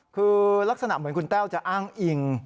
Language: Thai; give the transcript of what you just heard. คือลักษณะเหมือนคุณแต้วจะอ้างอิง